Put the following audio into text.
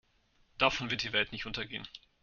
Davon wird die Welt nicht untergehen.